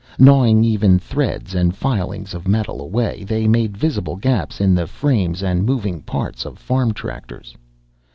Gnawing even threads and filings of metal away, they made visible gaps in the frames and moving parts of farm tractors.